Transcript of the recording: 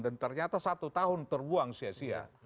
dan ternyata satu tahun terbuang sia sia